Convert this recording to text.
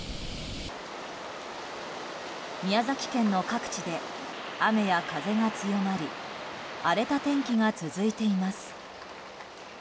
宮崎県の各地で雨や風が強まり荒れた天気が続いています。